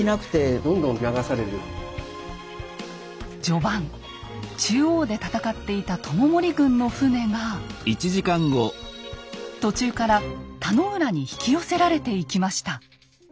序盤中央で戦っていた知盛軍の船が途中から田野浦に引き寄せられていきました。